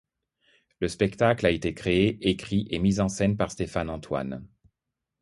Le spectacle a été créé, écrit et mise en scène par Stéphane Antoine.